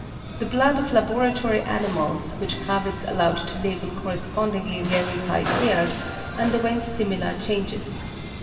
The blood of laboratory animals which Grawitz allowed to live in correspondingly rarefied air underwent similar changes.